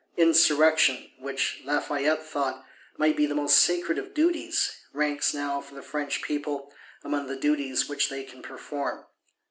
Insurrection, which, Lafayette thought, might be "the most sacred of duties," ranks now, for the French people, among the duties which they can perform.